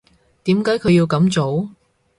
點解佢要噉做？